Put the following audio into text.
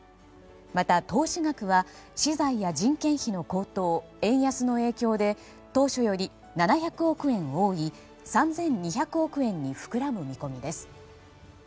また、投資額は資材や人件費の高騰円安の影響で当初より７００億円多い３２００億円に膨らむ見込みです。